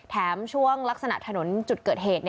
ช่วงลักษณะถนนจุดเกิดเหตุ